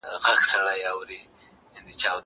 زه کولای سم کتابتون ته راشم؟!